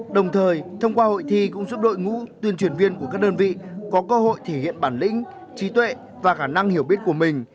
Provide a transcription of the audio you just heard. đồng thời thông qua hội thi cũng giúp đội ngũ tuyên truyền viên của các đơn vị có cơ hội thể hiện bản lĩnh trí tuệ và khả năng hiểu biết của mình